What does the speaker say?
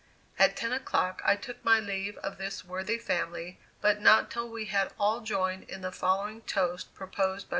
At ten o'clock I took my leave of this worthy family, but not till we had all joined in the following toast proposed by M.